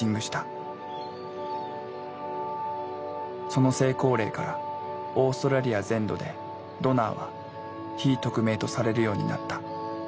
その成功例からオーストラリア全土でドナーは非匿名とされるようになった。